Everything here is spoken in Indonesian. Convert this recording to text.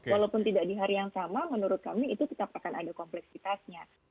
walaupun tidak di hari yang sama menurut kami itu tetap akan ada kompleksitasnya